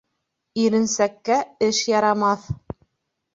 Иренсәккә эш ярамаҫ.